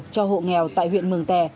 cho hộ nghèo tại huyện mường tè